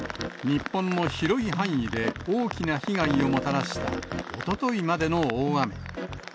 日本の広い範囲で大きな被害をもたらした、おとといまでの大雨。